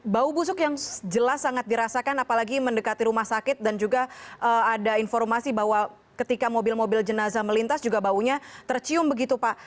bau busuk yang jelas sangat dirasakan apalagi mendekati rumah sakit dan juga ada informasi bahwa ketika mobil mobil jenazah melintas juga baunya tercium begitu pak